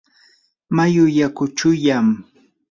mayu yaku chuyam.